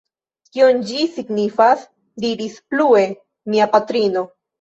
Kion ĝi signifas? diris plue mia patrino.